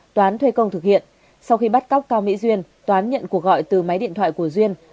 toán thuê công thực hiện sau khi bắt cóc cao mỹ duyên toán nhận cuộc gọi từ máy điện thoại của duyên